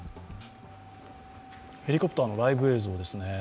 ヘリコプターのライブ映像です。